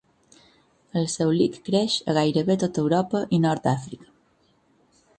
El saulic creix a gairebé tota Europa i nord d'Àfrica.